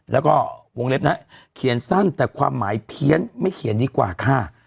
แล้วก็วงเล็บนะเขียนสั้นแต่ความหมายเพี้ยนไม่เขียนดีกว่าค่ะ